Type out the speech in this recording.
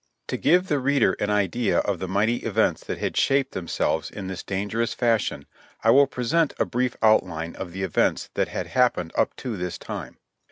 To give the reader an idea of the mighty events that had shaped themselves in this dangerous fashion, I will present a brief outline of the events that had happened up to this time.